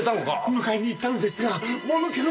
迎えに行ったのですがもぬけの殻でした。